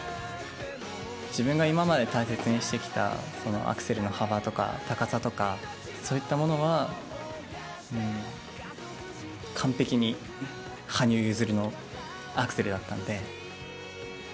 自分が今まで大切にしてきたそのアクセルの幅とか高さとか、そういったものは、完璧に羽生結弦のアクセルだったんで。